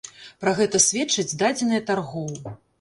Пра гэта сведчаць дадзеныя таргоў.